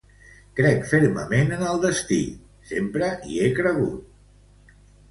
Crec fermament en el destí, sempre hi he cregut.